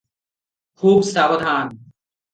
ଖୁବ୍ ସାବଧାନ!